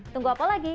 tunggu apa lagi